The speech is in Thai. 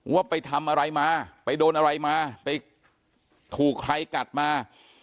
ว่าไปทำอะไรมาไปโดนอะไรมาไปถูกใครกัดมา